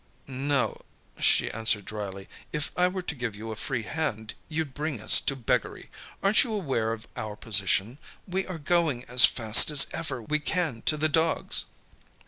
"No," she answered dryly. "If I were to give you a free hand, you'd bring us to beggary. Aren't you aware of our position? We are going as fast as ever we can to the dogs."